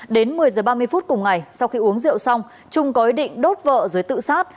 đến một mươi giờ ba mươi phút cùng ngày sau khi uống rượu xong trung có ý định đốt vợ rồi tự sát